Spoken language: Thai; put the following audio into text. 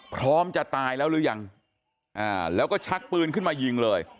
พร้อมจะตายแล้วหรือยังแล้วก็ชักปืนขึ้นมายิงเลย